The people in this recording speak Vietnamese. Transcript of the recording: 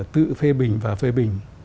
tự phê bình và phê bình